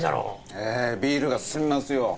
ええビールが進みますよ。